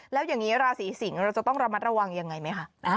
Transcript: แล้วอย่างนี้ราศีสิงศ์เราจะต้องระมัดระวังยังไงไหมคะ